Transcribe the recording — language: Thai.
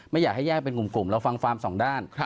ไม่อยากให้แยกเป็นกลุ่มเราฟังฟาร์มสองด้าน